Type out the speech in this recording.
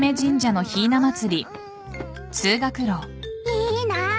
いいなあ。